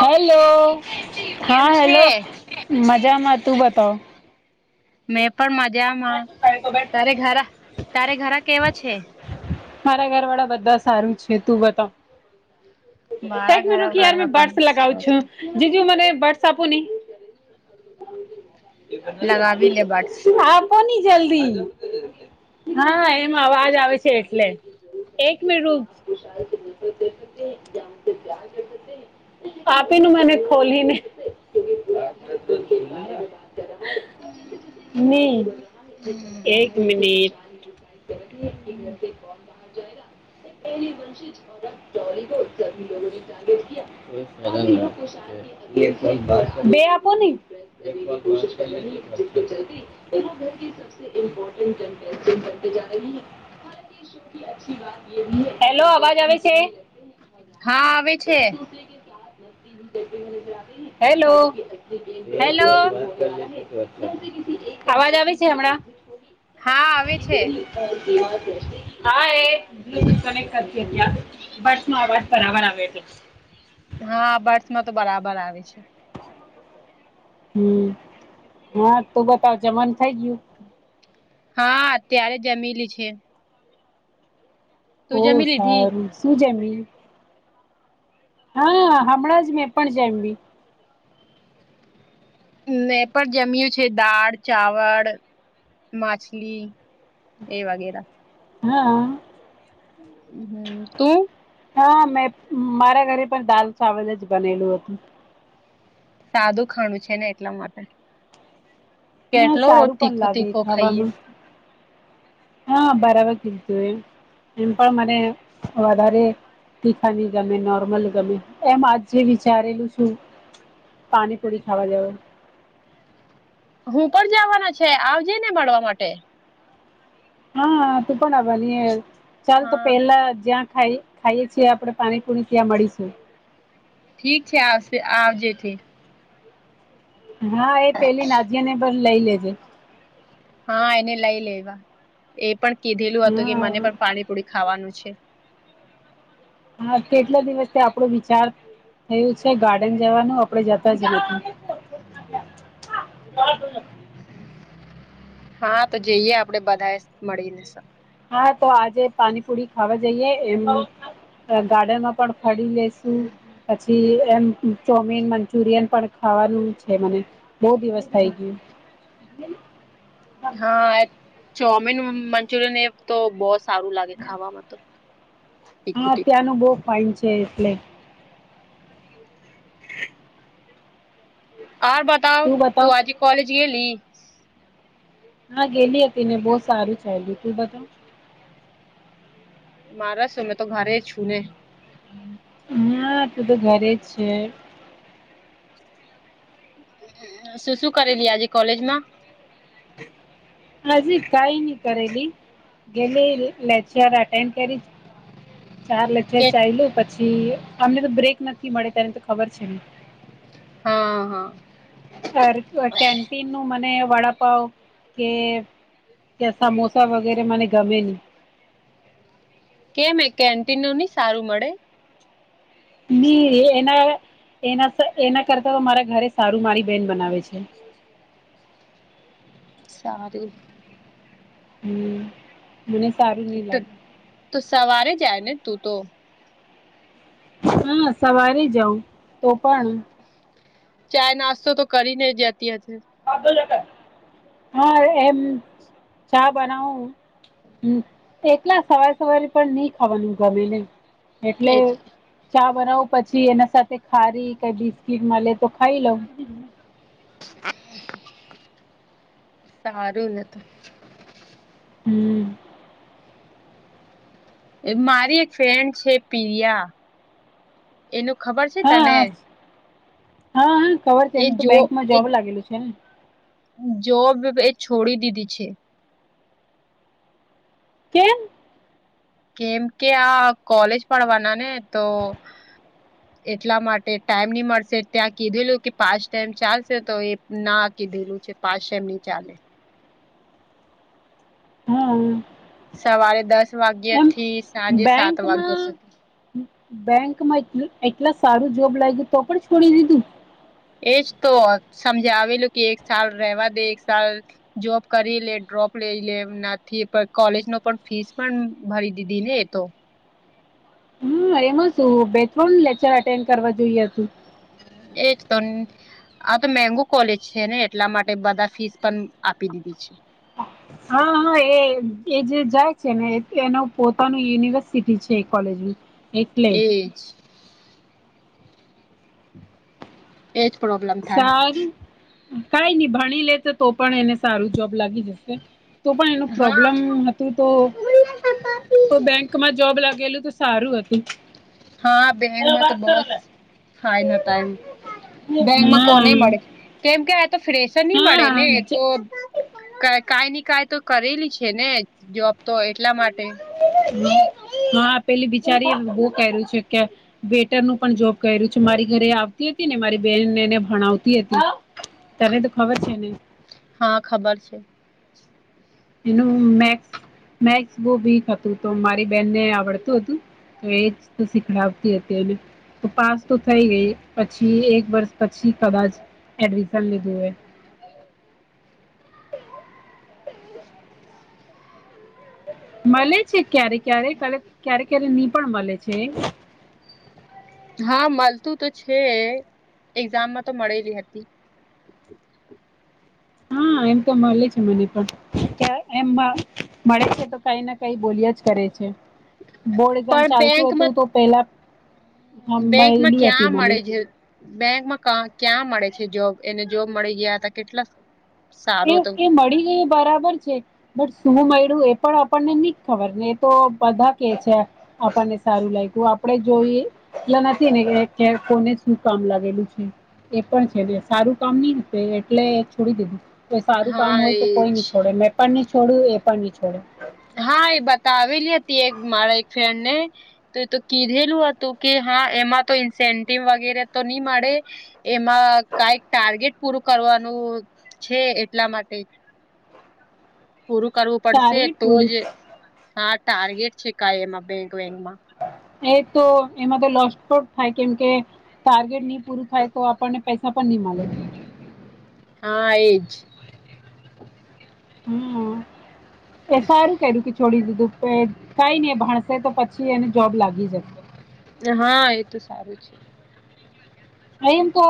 Hello હા કેમ hello. છે મજામાં તું બતાવ.? મેં પણ મજામાં. તારે મારા ઘરા તારે ઘરા કેવા છે.? મારા ઘર વાળા બધા સારું છે. તું બતાવ.? મારા એક ઘર વાળા બર્ફ પણ લગાવ સારા છું છે જે જું મ બર્ફ આપુ લગાવી લે બર્ડસ આપો ને જલ્દી. હા એમ અવાજ આવે છે એટલે. એક મે રૂપ આપી નું મને ખોલીને. નહી એક મિનિટ. ન્ કો બહાર જાયના. [unintelligible] રી વંશીજ ડોરી સથી લોકોને ટારગેટ ફોન પર બે આપો ની. એ ઘર સબઇમપોર્ટન્ટ બનતી જા રહી. [inaudible] શી અચ્છી વાત. [inaudible] હેલો અવાજ આવે છે? હા આવે છે હેલો. હેલો અવાજ આવે છે હમણાં.? હા આવે છે. હા એ જ ક કરતી્યા બસ નો અવાજ બરાબર આવ્યો છે. હા બસમાં તો બરાબર આવે છે. હમ હા તું બતાવ જમન થઈ ગયું.? હા અત્યારે જમેલી છે. તું ઓહ જમી લીધી સારું શું જેમ. હા હમણાં જ મેં પણ જેમી. મે એ પણ જમય્યું છે દાળ, ચાવળ, માછલી. બે વાગે-, હા. હમ તું.? હા મેં મારા ઘરે પણ દાલ ચાવલ જ બનેલું હતું. સાદું ખાણું છે ને એટલા માટે હા કેટલો રોજ સારું પણ તીખો લાગે તીખો ખાઈએ. ખાવાનું હા બરાબર કીધધું એમ એમ પણ મને વધારે તીખા ની ગમે નોર્મલ ગમે એમ આજે વિચારેલું છું. પાણી પુડી ખાવા જાવનુ. હું પણ જવાના છે આવજે ને મળવા માટે. હા તું પણ હાવાની ચાલ તો હા પેલા જ્યાં ખાઈ. ખાઈએ છીએ આપડણે પાણીપુણી ત્યાં મળીશું. ઠી છે આવશે આ આવ જે‌થી. હા એ પેલી નાજિયા ને પણ લઈ લેજે. હા એને લઈ લેવા એ પણ કીધેલું હતું કે મને હા પણ પાણીપુરી ખાવાનું છે. હા કેટલા દિવસથી આપણો વિચાર થયું છે ગાર્ડન જવાનું આપડે જતા રહીયે. હા તો જઈએ આપડે બધા મળીને. હા તો આજે પાણીપુરી ખાવા જઈએ એમ. ગાર્ડનમાં પણ ફળી લેશુ. પછી એમ ચોમીન મંચુરિયન પણ ખાવાનું છે મને. બહુ દિવસ થઇ ગયું. હા ચોમીન મંચુરિયન એ. તો બહુ સારું લાગે ખાવામાં તો. તીખું હા તીખું અત્યાંનું બહુ ફઇન છે એટલે. ઓર બતાવ તું આજે કોલેજ ગે લી. હા ગેલી હતી ને બહુ સારું છેલું તું બધ. મારેસ અમે તો ઘરે છું ને. હા તું તો ઘરે જ છે. શું શું કરેલી આજે કોલેજ માં. આજે કઈ નહી કરેલી. ગેલી લેક્ચર અટેન્ડ કરી. ચાર લેચર કે ચાલ્યું પછી અમને તો બ્રેક નથી મળે તને તો ખબર છે ને. હા હા. અ કેન્ટીન નું મને વડાપાવ કે. કે સમોસા વગેરે મને ગમે ની. કેમ એ કેન્ટિનનું ની સારું મળે. ની એના એના એના કરતા તો મારા ઘરે સારું મારી બેહેન બનાવે છે. સારું. હમ મને સારું નઈ લાગે. તો સવારે જાય ને તું તો. હા સવારે જાવ તો પણ. ચાય નાસ્તો તો કરી ને જતી હશે. હા એમ ચા બનાવું. હમ એકલા સવાર સવારે પણ નહી ખાવાનું ગમેને એટલે. ચા બનાવું પછી એના સાથે ખારી કઈ બિસ્કીટ મળે તો ખાઈ લઉ. હારું ને તો. હમ. મારી એક ફ્રેન્ડ છે પ્રરિયા એનું ખબર છે હા તને. હા હા ખબર છે એ એમ તો જો બેંકમાં એ જોબ લાગેલું છે ને. જોબ એ છોડી દીધી છે. કેમ. કેમ કે આ કોલેજ પડવાના ને તો. એટલા માટે ટાઈમ નહી મળશે ત્યાં કીધેલું કે પાંચ ટાઈમ ચાલશે તો એ ના કીધેલું છે. પાસે એમની ચાલે. હા. સવારે દસ વાગ્યા એમ થી સાંજે સાત વાગ્યા બેંકમાં સુધી. બેંકમાં એટ એટલા સારું જોબ લાગ્યું તો પણ છોડી દીધું. એજ તો સમજાવેલું કે એક સાલ રેવા દે એક સાલ. જોબ કરી લે ડ્રોપ લઈ લે એમ નથી પણ કોલેજ ન પણ ફીસ પણ ભરી દીધી ને એ તો. હમ એમાં શું બેકરોલ લેચરન્ડ અટેન્ડ કરવા જોઈએ. એક તો. આ તો મેંગુ કોલેજ છે ને એટલા માટે બધા ફીસ પણ આપી દીધી છે. હા હા એ એ જે જાય છે ને એનો પોતાનું યુનિવર્સિટી છે એ કોલેજમાં. એ જ. એજ પ્રોબ્લેમ. થાય સારું કઈ નઈ ભણી લે તો તો પણ એને સારું જોબ લાગી જશે. તો પણ એનું હા પ્રોબ્લેમ હતું તો બેંક. માં જોબ લાગેલું તો સારું હતું. હા બેંકમાં તો બસ થાય નતા એમ બેંકમાં હા કોને મળે. કેમ કે આ તો ફ્રેશર નહી મળે ને હા તો. ક કઈ ની કઈ તો કરેલી છે ને જોબ તો એટલા માટે. હા પેલી વિચારીએ બહુ કે્યું છે કે. બેટર નું પણ જોબ કર્યું છે મારી ઘરે આવતી હતી ને મારી બેનને એને ભણાવતી હતી. તને તો ખબર છે નને. હા ખબર છે. એનું મે મેક્ બ ભીક હતું તો મારી બેનને આવડતું હતું. તો એ જ તો શીખડાવતી હતી એને. તો પાસ તો થઈ ગઈ પછી એક વર્ષ પછી કદાચ એડમિશન લીધું હોય. મળે છે ક્યારે ક્યારેક ક ક્યારે ક્યારે હી પણ મળે છે. હા મળતું તો છે એક્ઝામમાં તો મળેલી હતી. હા એમ તો મળે છે મને પણ એમ મળે છે તો. કઈ ના કઈ બોલી જ કરે છે. [inaudible] બોર્ડ એક્ઝામ પણ ચાલતું બેંકમાં હતું તો પેલા હા બેંકમાં મયલી હતી ક્યાં મને મળે છે. બેંકમાં ક્યાં મળે છે જોબ એને જોબ મળી ગયા હતા કેટલા. એ સારું હતું એ મળી ગય બરાબર છે. બટ શું મળ્યું એ પણ આપણને નહી ખબર ને એ તો બધા કે છે. આપણને સારું લાગ્યું આપડે જોઈએ. એટલે નથી ને કોને શું કામ લાગેલું છે. એ પણ છે સારું કામ નઈશે એટલે છોડી દીધું. કોઈ સારું હા કામ હોય તો કોઈ નઈ એજ છોડે મેં પણ નહી છોડું એ પણ નહી છોડે. હા એ બતાવેલી હતી એક મારા એક ફ્રેન્ડ ને. તો તો કીધેલું હતું કે હા એમાં તો ઇન્સેન્ટિવ વગેરે તો નહી મળે. એમાં કઈક ટાર્ગેટ પૂરું કરવાનું છે એટલા માટે. પૂરું કરવું પડશે ટાર્ગેટ તો જ પૂરું હા ટાર્ગેટ છે કઈ એમાં બેંક વેંકમાં. એ તો એમાં તો લોસ પણ થાય કેમ કે ટાર્ગેટ નહી પૂરું થાય તો આપણને. પૈસા પણ નિનીમાે. હા એજ. હમ એ સારું કર્યું. છોડી દીધું કે કઈ નને એ ભાણસે તો પછી એને જોબ લાગી જશે. હા એ તો સારું છે. અહી તો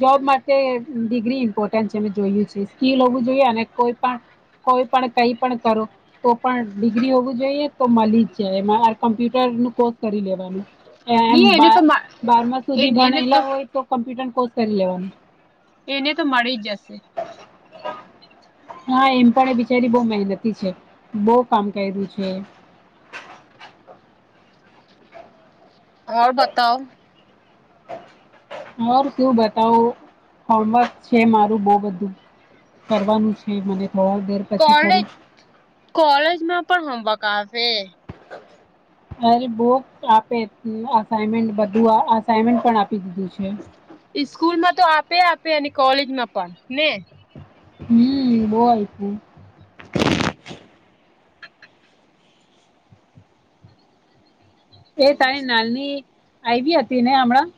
જોબ માટે ડિગ્રી ઇમ્પોર્ટન્ટ છે મે જોયું છે સ્કીિલ હોવું જોઈએ અને કોઈ પણ કોઈ પણ કઈ પણ કરો. તો પણ ડિગ્રી હોવું જોઈએ તો મળી જ જાય એમાં કમ્પ્યુટરનું કોર્સ કરી લેવાનું. એમ નહી એને તો મા બારમા સુધી એ એને ભણેલા હોય તો કોમ્પ્યુટર કોર્સ કરી લેવાનું. એને તો મળી જશે. હા એમ પણ એ બિચારી બો મહેનતી છે, બો કામ કર્યું છે‌. હો બતાવો. મોર તું બતાવું હોમવર્ક છે મારું બો બધું. કરવાનું છે મને થોડા દેર પછી કોલેજ કરું કોલેજ માં પણ હોમવર્ક આપે. [inaudible] અરે બુક આપે અ અસાઈમેન્ટ બધું અસાઈમેન્ટ પણ આપી દીધું છે. ઈ સ્કૂલમાં તો આપે આપે અને કોલેજમાં પણ ને હમમ બો આયપુ. એ તારી નાની આયવી હતી ને હમણાં.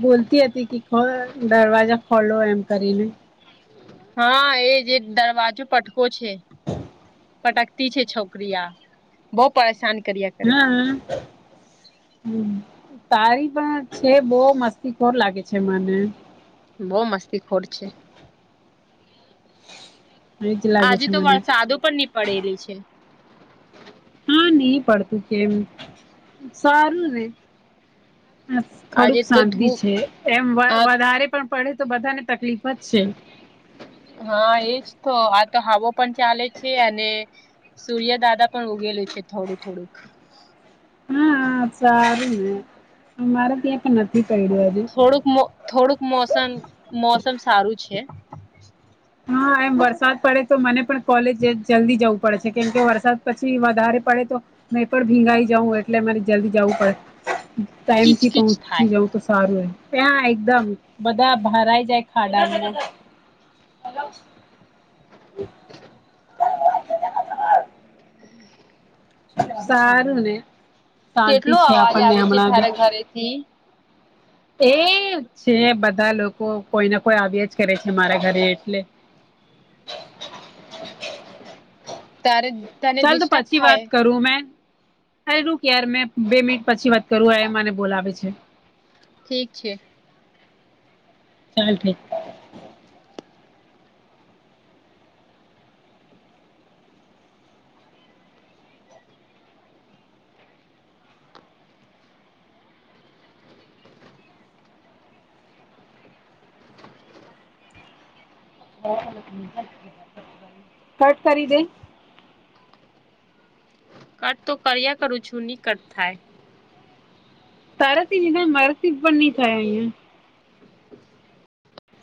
બોલતી હતી કે ખોલ દરવાજા ખોલો એમ કરીને. હા એજ એજ દરવાજો પટકો છે. પટકતી છે છોકરી આ. બો પરેશાન કરયા. હમમ. હમમ. તારી પણ છે બો મસ્તી ખોર લાગે છે મને. બો મસ્તી ખોર છે. એજ લાગે આજે છે તો મને વરસાદો પણ ની પડી રહ્યો છે. હમમ ની પડતું કેમ સારું ને. થોડીક આજે તો શાંતિ ધૂપ છે એમ વધા આ વધારે પણ પયડો તો બધાને તકલીફ જ છે. હા એજ તો આ તો હવા પણ ચાલે છે અને સૂર્ય દાદા પણ ઉગેલું છે થોડું થોડુંક. હા સારું. મારે ત્યાં પણ નથી પડ્યું હજુ. થોડુંક મો થોડુંક મોસમ મોસમ સારું છે. હા એમ વરસાદ પડે તો મને પણ કોલેજ જલ્દી જવું પડે છે કેમ કે વરસાદ પછી વધારે પડે તો નયતર ભીનાય જઉં એટલે મે જલ્દી જવું પડે. ટાઈમ થી કીચકીચ પહોંચી થાય જવું તો સારું એમ. ત્યાં એકદમ બધા ભરાઈ જાય ખાડાને એવું [inaudible] સારુંને. કેટલો અવાજ આવે છે તારે ઘરેથી. તેજ છે બધા લોકો કોઈને કોઈ આવ્યા જ કરે છે મારા ઘરે એટલે તારે તને ચાલ તો ડિસ્ટર્બ પછી થાય વાત કરું મે. અરે રૂક યાર મેં બે મિનિટ પછી વાત કરું અરે મને બોલાવે છે. ઠીક છે. ચાલ ઠીક. કટ કરી દેય. કટ તો કર્યા કરું છું ની કટ થાય. તારા થી ને મારા થી પણ ની થાય અહિ.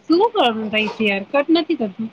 શું કરુ [unintelligible] છે કટ નથી થતું.